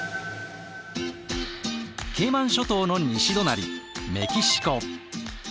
ケイマン諸島の西隣メキシコ。